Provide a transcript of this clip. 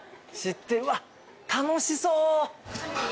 うわっ楽しそう。